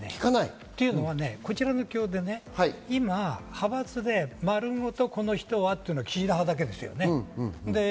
というのは今、派閥で丸ごとこの人はというのは岸田派だけです。